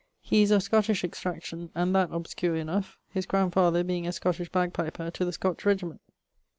He is of Scotish extraction and that obscure enough, his grandfather being a Scotish bag piper to the Scotch regiment.